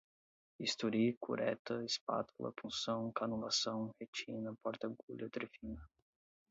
bisturi, cureta, espátula, punção, canulação, retina, porta-agulha, trefina